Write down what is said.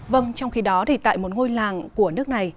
vâng trong khi đó thì tại một ngôi làng của nước này